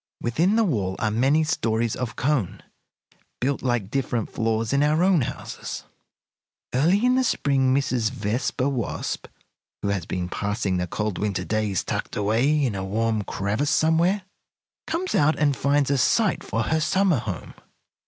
Within the wall are many stories of cone, built like different floors in our own houses. "Early in the spring Mrs. Vespa Wasp, who has been passing the cold winter days tucked away in a warm crevice somewhere, comes out and finds a site for her summer home.